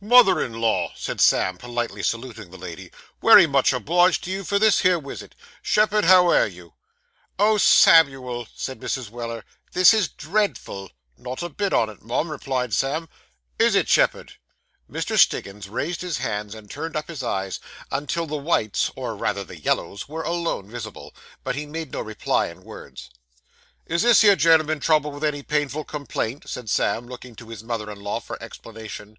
'Mother in law,' said Sam, politely saluting the lady, 'wery much obliged to you for this here wisit. Shepherd, how air you?' 'Oh, Samuel!' said Mrs. Weller. 'This is dreadful.' 'Not a bit on it, mum,' replied Sam. 'Is it, shepherd?' Mr. Stiggins raised his hands, and turned up his eyes, until the whites or rather the yellows were alone visible; but made no reply in words. 'Is this here gen'l'm'n troubled with any painful complaint?' said Sam, looking to his mother in law for explanation.